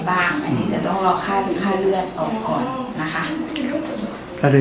อันนี้จะต้องรอค่าเลือดออกก่อนนะคะ